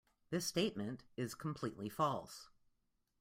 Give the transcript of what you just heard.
This statement is completely false.